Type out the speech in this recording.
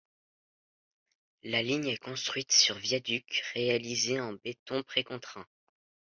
La ligne est construite sur viaduc réalisés en béton précontraint.